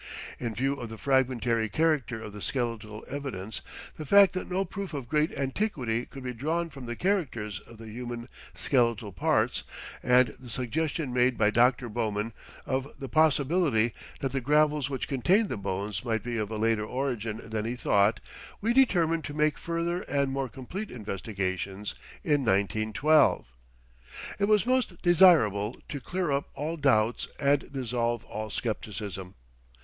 In view of the fragmentary character of the skeletal evidence, the fact that no proof of great antiquity could be drawn from the characters of the human skeletal parts, and the suggestion made by Dr. Bowman of the possibility that the gravels which contained the bones might be of a later origin than he thought, we determined to make further and more complete investigations in 1912. It was most desirable to clear up all doubts and dissolve all skepticism.